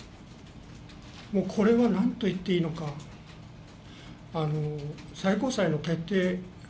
これは何と言っていいのか最高裁の決定